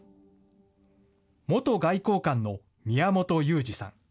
元外交官の宮本雄二さん。